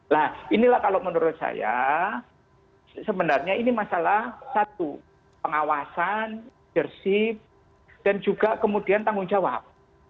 nah inilah kalau menurut saya sebenarnya ini masalah satu pengawasan jersi dan juga kemudian tanggung jawab